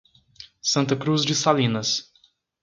Santa Cruz de Salinas